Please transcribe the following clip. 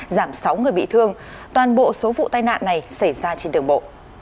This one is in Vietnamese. giảm sáu người bị thương toàn bộ số vụ tai nạn này xảy ra trên đường bộ